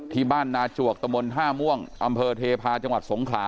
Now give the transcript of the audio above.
ที่บ้านนาจวกตม๕ม่วงอำเภอเทพาส์จังหวัดสงขา